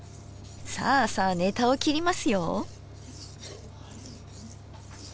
さあさあネタを切りますよ。